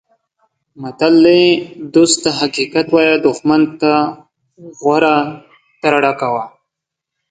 متل دی: دوست ته حقیقت وایه دوښمن ته غوره ترړه کوه.